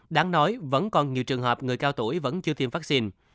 đáng nói vẫn còn nhiều trường hợp người cao tuổi vẫn chưa tiêm vaccine